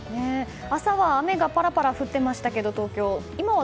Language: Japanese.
朝は雨がパラパラ降っていましたけど、東京。